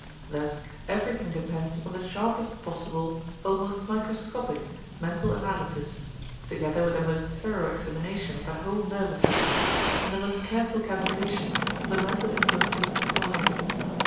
Thus everything depends upon the sharpest possible, almost microscopic, mental analysis, together with a most thorough examination of the whole nervous system and the most careful calculation of the mental influences applied.